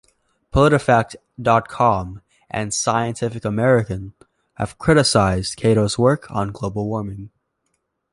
PolitiFact dot com and "Scientific American" have criticized Cato's work on global warming.